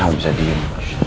saya gak bisa diam